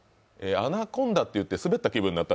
アナコンダって言ってスベッた気分だった？